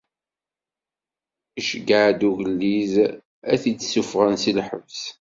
Iceyyeɛ ugellid ad t-id-ssufɣen si lḥebs.